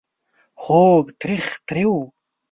خوږ .. تریخ ... تریو ...